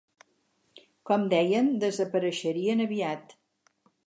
Com dèiem desapareixerien aviat.